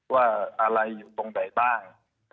ว่าอะไรอยู่ตรงไหนบ้าง